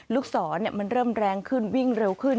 ลูกศรมันเริ่มแรงขึ้นวิ่งเร็วขึ้น